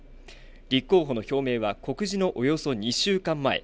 立候補の表明は告示のおよそ２週間前。